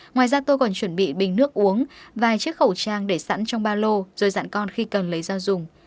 ngoài ra tôi còn chuẩn bị bình nước uống vài chiếc khẩu trang để sẵn trong ba lô rồi dạn con khi cần lấy ra dùng